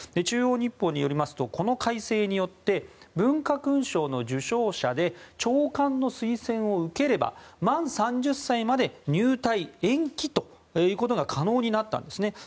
中央日報によりますとこの改正によって文化勲章の受章者で長官の推薦を受ければ満３０歳まで入隊延期ということが可能になったんです。